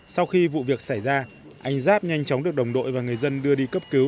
sau khi vụ việc xảy ra anh giáp nhanh chóng được đồng đội và người dân đưa đi cấp cứu